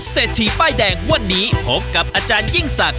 เศรษฐีป้ายแดงวันนี้พบกับอาจารยิ่งศักดิ